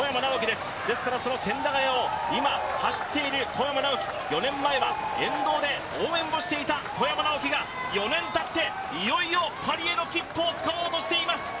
ですからその千駄ヶ谷を今、走っている小山直城、４年前は沿道で応援をしていた小山直城が４年たって、いよいよパリへの切符をつかもうとしています。